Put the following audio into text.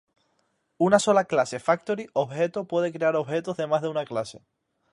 Una sola clase "Factory" objeto puede crear objetos de más de una clase.